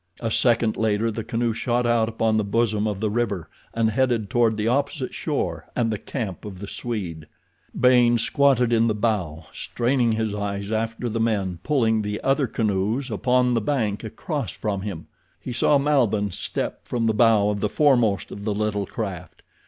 A second later the canoe shot out upon the bosom of the river and headed toward the opposite shore and the camp of the Swede. Baynes squatted in the bow, straining his eyes after the men pulling the other canoes upon the bank across from him. He saw Malbihn step from the bow of the foremost of the little craft.